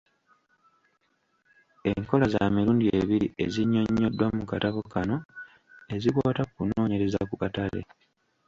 Enkola za mirundi ebiri ezinyonnyoddwa mu katabo kano ezikwata ku kunoonyereza ku katale.